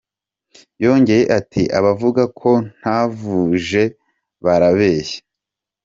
Yongeye ati “Abavuga ko ntavuje, barabeshya.